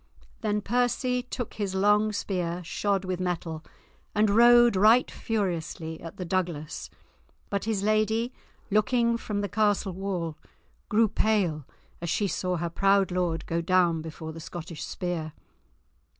Then Percy took his long spear, shod with metal, and rode right furiously at the Douglas; but his lady, looking from the castle wall, grew pale as she saw her proud lord go down before the Scottish spear.